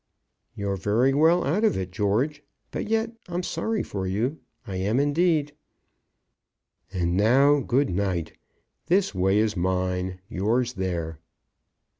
"You're very well out of it, George. But yet I'm sorry for you. I am, indeed." "And now, good night. This way is mine; yours there."